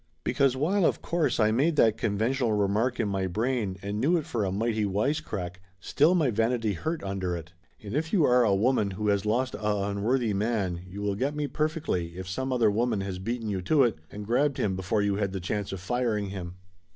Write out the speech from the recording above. Because while of course I made that conventional remark in my brain and knew it for a mighty wise crack, still my vanity hurt under it. And if you are a woman who has lost a unworthy man, you will get me perfectly if some other woman has beaten you to it and grabbed him before you had the chance of firing him.